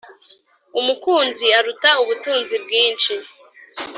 umukunzi aruta ubutunzi bwinshi